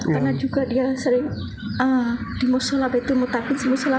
karena juga dia sering di musola betul mutafik di musola sedia